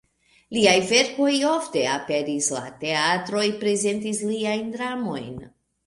Liaj verkoj ofte aperis, la teatroj prezentis liajn dramojn.